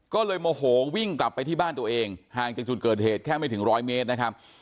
ก็เลยโมโหวิ่งกลับไปที่บ้านตัวเองห่างจากจุดเกิดเหตุแค่ไม่ถึงร้อยเมตรนะครับ